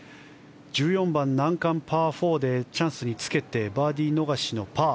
１４番、難関のパー４でチャンスにつけてバーディー逃しのパー。